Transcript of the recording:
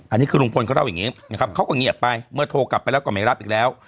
อันนี้คือลุงพลเขาเล่าอย่างนี้นะครับเขาก็เงียบไปเมื่อโทรกลับไปแล้วก็ไม่รับอีกแล้ว